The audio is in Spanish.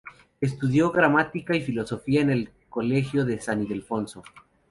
Estudió gramática y filosofía en el Colegio de San Ildefonso.